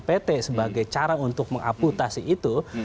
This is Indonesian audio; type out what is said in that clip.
pt sebagai cara untuk mengaputasi itu